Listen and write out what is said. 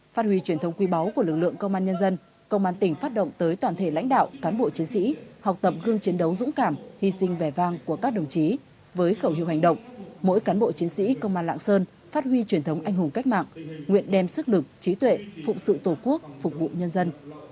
phát huy truyền thống anh hùng cách mạng nguyện đem sức lực trí tuệ phụ sự tổ quốc phục vụ nhân dân